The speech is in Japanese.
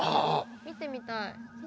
見てみたい。